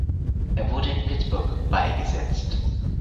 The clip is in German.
Er wurde in Pittsburgh beigesetzt.